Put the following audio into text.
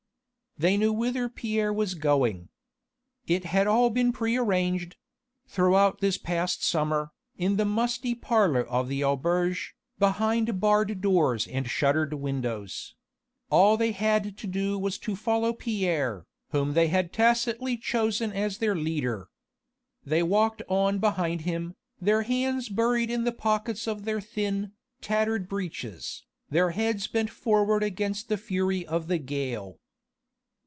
They knew whither Pierre was going. It had all been pre arranged throughout this past summer, in the musty parlour of the auberge, behind barred doors and shuttered windows all they had to do was to follow Pierre, whom they had tacitly chosen as their leader. They walked on behind him, their hands buried in the pockets of their thin, tattered breeches, their heads bent forward against the fury of the gale.